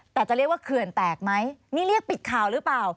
แต่จะเรียกว่าเขื่อนแตกไหมนี่เรียกปิดข่าวหรือเปล่า